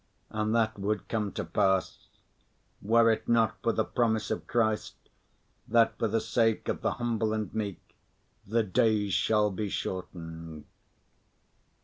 And that would come to pass, were it not for the promise of Christ that for the sake of the humble and meek the days shall be shortened.